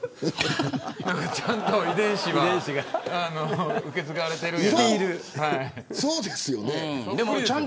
ちゃんと遺伝子は受け継がれているなと。